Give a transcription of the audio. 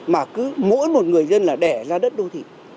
mà cứ mỗi một người dân là đẻ ra đất đô thị